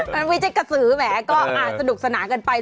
อ๊ะมันวิจิกศื้อแหมก็อาจจะดุกษณะกันไป